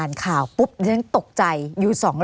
หรือว่าแม่ของสมเกียรติศรีจันทร์